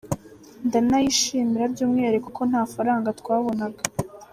Ndanayishimira by’umwihariko kuko nta mafaranga twabonaga.